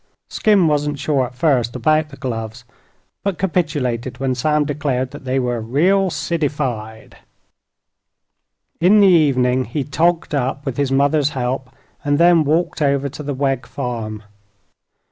Skim wasn't sure, at first, about the gloves, but capitulated when Sam declared they were "real cityfied." In the evening he "togged up," with his mother's help, and then walked over to the Wegg farm.